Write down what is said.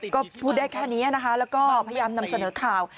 ก็พูดได้แค่นี้นะคะแล้วก็พยายามนำเสนอข่าว